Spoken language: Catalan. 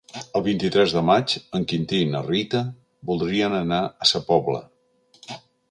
El vint-i-tres de maig en Quintí i na Rita voldrien anar a Sa Pobla.